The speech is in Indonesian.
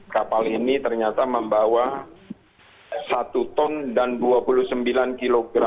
kapal ini ternyata membawa satu ton dan dua puluh sembilan kg